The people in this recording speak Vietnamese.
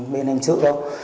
bên hành sự đâu